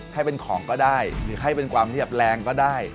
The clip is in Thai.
ให้เป็นของก็ได้หรือให้เป็นความเรียบแรงก็ได้